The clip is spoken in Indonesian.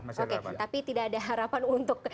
oke tapi tidak ada harapan untuk